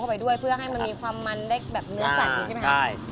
เข้าไปด้วยเพื่อให้มันมีความมันได้เนื้อใสอยู่ใช่ไหมครับ